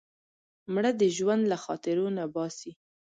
مړه د ژوند له خاطرو نه باسې